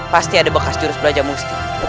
pasti ada bekas jurus belajar musti